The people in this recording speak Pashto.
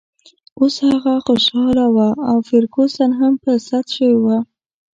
اوس هغه ډېره خوشحاله وه او فرګوسن هم په سد شوې وه.